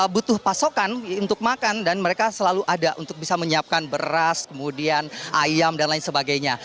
butuh pasokan untuk makan dan mereka selalu ada untuk bisa menyiapkan beras kemudian ayam dan lain sebagainya